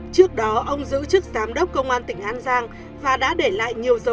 trước đó ông giữ chức giám đốc công an tỉnh an giang và đã để lại những vụ án lớn để giữ chức vụ giám đốc